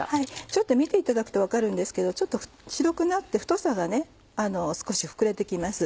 ちょっと見ていただくと分かるんですけどちょっと白くなって太さがね少し膨れて来ます。